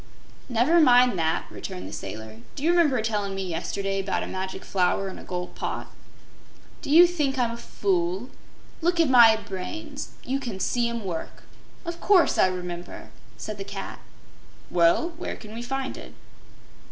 "Never mind that," returned the Sailor. "Do you remember tellin' me yesterday 'bout a Magic Flower in a Gold Pot?" "Do you think I'm a fool? Look at my brains you can see 'em work. Of course I remember!" said the cat. "Well, where can we find it?"